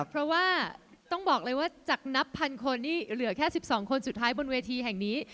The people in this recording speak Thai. เพราะว่าต้องบอกเลยว่าจากนับพันคนนี่เหลือแค่๑๒คนสุดท้ายบนเวทีแห่งนี้